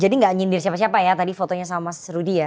jadi nggak nyindir siapa siapa ya tadi fotonya sama mas rudy ya